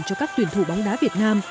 cho các tuyển thủ bóng đá việt nam